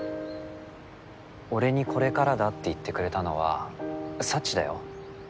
俺にこれからだって言ってくれたのはサチだよ。